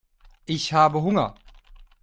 Ich habe Hunger.